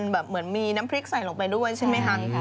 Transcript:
เหมือนมีน้ำพริกใส่ลงไปด้วยใช่ไหมคะ